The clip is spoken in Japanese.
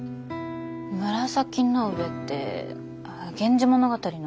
紫の上って「源氏物語」の？